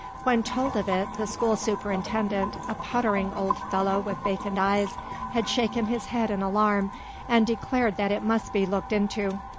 When told of it the school superintendent, a puttering old fellow with vacant eyes, had shaken his head in alarm and declared that it must be looked into.